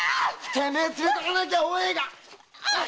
てめえ連れてかなきゃお栄がっ！